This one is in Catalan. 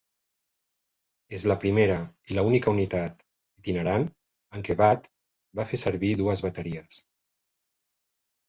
És la primera i la única unitat itinerant en què Watt va fer servir dues bateries.